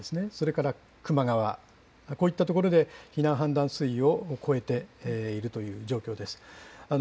それから球磨川、こういった所で避難判断水位を超えているという状況です。